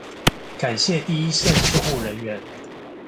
感謝第一線醫護人員